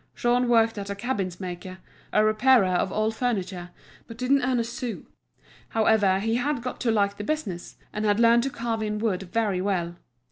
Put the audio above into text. Jean worked at a cabinetmaker's, a repairer of old furniture, but didn't earn a sou. However, he had got to like the business, and had learned to carve in wood very well.